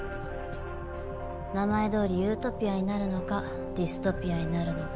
名前どおりユートピアになるのかディストピアになるのか。